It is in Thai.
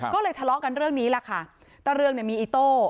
ก็เลยทะเลาะกันเรื่องนี้แหละค่ะตะเรืองเนี่ยมีอิโต้